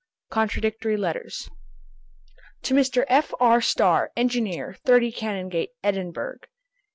CONTRADICTORY LETTERS To Mr. F. R. Starr, Engineer, 30 Canongate, Edinburgh.